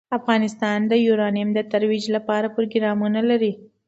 افغانستان د یورانیم د ترویج لپاره پروګرامونه لري.